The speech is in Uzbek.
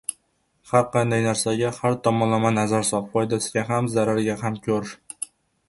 Har qanday narsaga har tomonlama nazar sol – foydasini ham, zararini ham ko‘r.